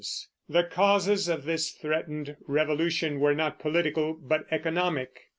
The causes of this threatened revolution were not political but economic.